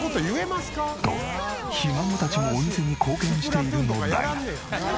とひ孫たちもお店に貢献しているのだが。